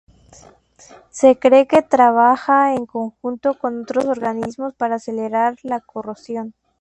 Se cree que trabaja en conjunto con otros organismos para acelerar la corrosión.